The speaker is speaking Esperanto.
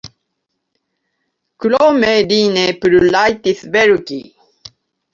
Krome li ne plu rajtis verki.